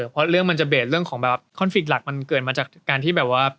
เพราะเรื่องมันจะเบสเรื่องของแบบคอนฟิกต์หลักมันเกิดมาจากการที่แบบว่า